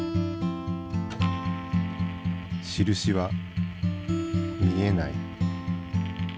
印は見えない。